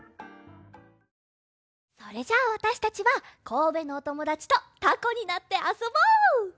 それじゃあわたしたちはこうべのおともだちとタコになってあそぼう！